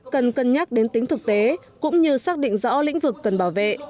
cần cân nhắc đến tính thực tế cũng như xác định rõ lĩnh vực cần bảo vệ